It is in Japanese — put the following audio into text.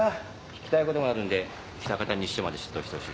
訊きたいことがあるんで喜多方西署まで出頭してほしい。